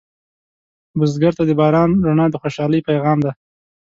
بزګر ته د باران رڼا د خوشحالۍ پیغام دی